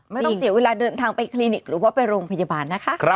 ไม่ต้องเสียเวลาเดินทางไปคลินิกหรือว่าไปโรงพยาบาลนะคะ